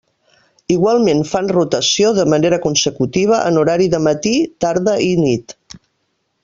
Igualment fan rotació de manera consecutiva en horari de matí, tarda i nit.